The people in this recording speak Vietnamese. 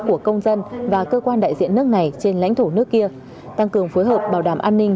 của công dân và cơ quan đại diện nước này trên lãnh thổ nước kia tăng cường phối hợp bảo đảm an ninh